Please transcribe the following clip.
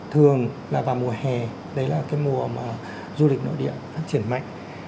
thường là vào mùa hè đấy là cái mùa mà du lịch nội địa phát triển mạnh